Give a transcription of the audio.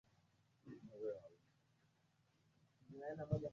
ya miti mitubwi na kuingia bara la ulaya